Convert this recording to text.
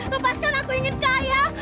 lepaskan aku ingin kaya